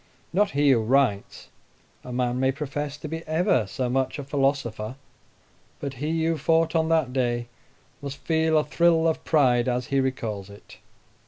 Not he who writes: a man may profess to be ever so much a philosopher; but he who fought on that day must feel a thrill of pride as he recalls it.